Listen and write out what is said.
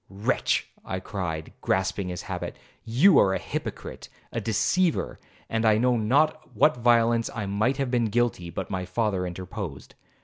'Wretch!' I cried, grasping his habit, 'you are a hypocrite, a deceiver!' and I know not of what violence I might have been guilty, but my father interposed.